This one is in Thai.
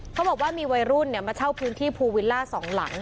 เขาบอกว่ามีวัยรุ่นมาเช่าพื้นที่ภูวิลล่าสองหลัง